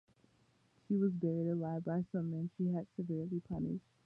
She was buried alive by some men she had severely punished.